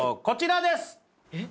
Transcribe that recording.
こちらです！